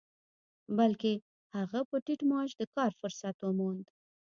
بلکې هغه په ټيټ معاش د کار فرصت وموند.